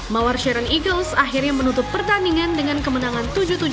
mawar sharon eagles akhirnya menutup pertandingan dengan kemenangan tujuh puluh tujuh lima puluh delapan